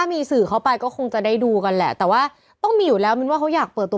มีสื่อเข้าไปก็คงจะได้ดูกันแหละแต่ว่าต้องมีอยู่แล้วมินว่าเขาอยากเปิดตัว